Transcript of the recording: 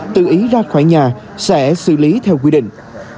tự ý ra khỏi nhà sẽ xử lý theo quy định